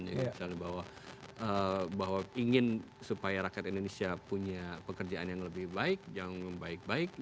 bahwa ingin supaya rakyat indonesia punya pekerjaan yang lebih baik yang baik baik